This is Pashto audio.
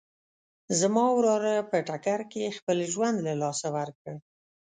زما وراره په ټکر کې خپل ژوند له لاسه ورکړ